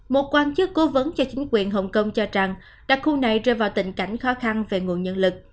một quan chức cố vấn cho chính quyền hồng kông cho rằng đặc khu này rơi vào tình cảnh khó khăn về nguồn nhân lực